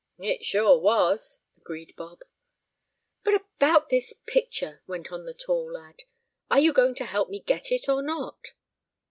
"It sure was!" agreed Bob. "But about this picture," went on the tall lad. "Are you going to help me get it, or not?"